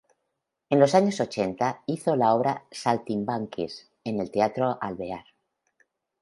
En los años ochenta hizo la obra "Saltimbanquis", en el Teatro Alvear.